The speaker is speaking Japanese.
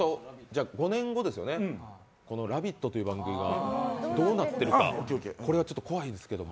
５年後ですよね、「ラヴィット！」という番組がどうなっているか、これはちょっと怖いですけど。